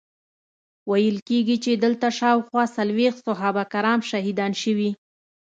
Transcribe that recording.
ویل کیږي چې دلته شاوخوا څلویښت صحابه کرام شهیدان شوي.